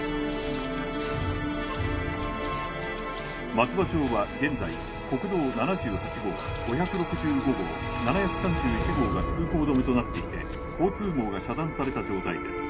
松葉町は現在国道７８号５６５号７３１号が通行止めとなっていて交通網が遮断された状態です